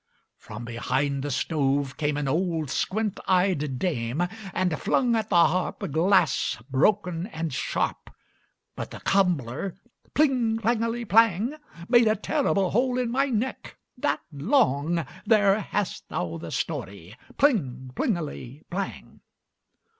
From behind the stove came An old squint eyed dame, And flung at the harp Glass broken and sharp; But the cobbler pling plingeli plang Made a terrible hole in my neck that long! There hast thou the story pling plingeli plang.